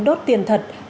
đốt tiền thật